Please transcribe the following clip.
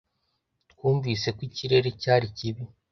Twumvise ko ikirere cyari kibi